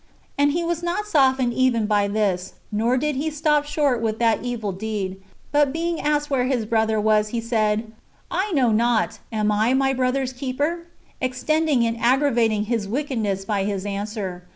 And he was not softened even by this, nor did he stop short wdth that evil deed ; but being asked where his brother was, he said, " I know not; am I my brother's keeper?" extending and aggravating [his] wickedness by his answer.